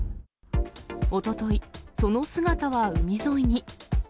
おととい、その姿は海沿いに。